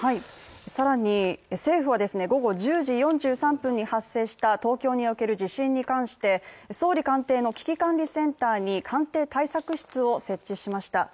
更に政府は午後１０時４３分に発生した東京における地震に関して総理官邸の危機管理センターに官邸対策室を設置しました。